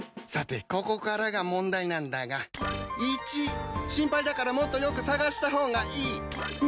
さてここからが問題なんだが１心配だからもっとよく捜した方がいい。